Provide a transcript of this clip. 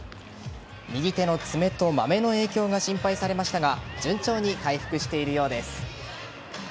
右手の爪とまめの影響が心配されましたが順調に回復しているようです。